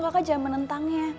kakak jangan menentangnya